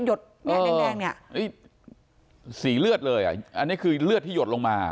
เนี่ยแดงเนี่ยสีเลือดเลยอ่ะอันนี้คือเลือดที่หยดลงมา